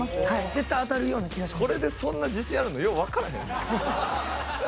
絶対当たるような気がします。